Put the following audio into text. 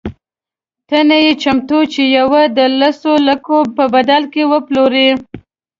ته نه یې چمتو چې یوه د لسو لکو په بدل کې وپلورې.